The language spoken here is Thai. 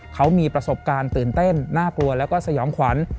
เขามีประสบการณ์ตื่นเต้นน่ากลัวแล้วก็สยองขวัญ